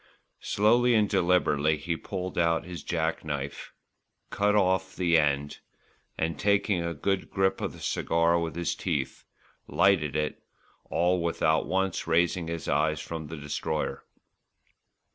Slowly and deliberately he pulled out his jack knife, cut off the end and, taking a good grip of the cigar with his teeth, lighted it, all without once raising his eyes from the Destroyer.